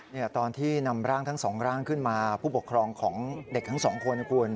ตอนที่นำร่างทั้งสองร่างขึ้นมาผู้ปกครองของเด็กทั้งสองคนนะคุณ